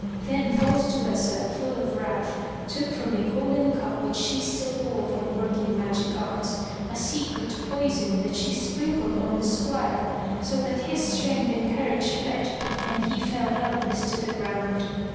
Then false Duessa, full of wrath, took from a golden cup which she still bore 36 FROM THE TOWER WINDOW for working magic arts, a secret poison that she sprinkled on the squire, so that his strength and courage fled and he fell helpless to the ground.